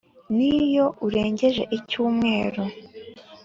n’iyo urengeje icyumweru